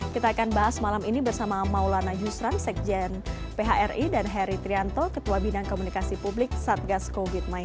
kita akan bahas malam ini bersama maulana yusran sekjen phri dan heri trianto ketua bidang komunikasi publik satgas covid sembilan belas